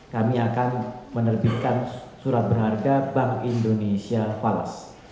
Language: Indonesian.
kami akan menerbitkan surat berharga bank indonesia falas